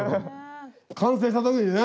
完成した時にね。